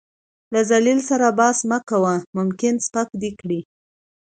له ذليل سره بحث مه کوه ، ممکن سپک دې کړي .